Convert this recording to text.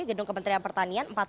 gedung kementerian pertanian